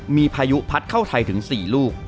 มีพายุพัดเข้าไทยถึง๔ลูก